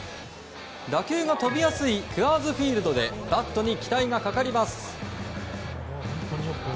打球が飛びやすいクアーズ・フィールドでバットに期待がかかります。